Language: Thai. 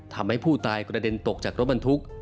ทำให้ผู้ตายกระเด็นตกจากรถบรรทุก